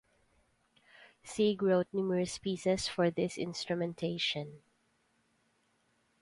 Sieg wrote numerous pieces for this instrumentation.